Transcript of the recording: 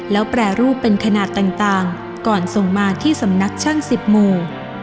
แล้วแปรรูปเป็นขนาดต่างก่อนส่งมาที่สำนักช่างสิบหมู่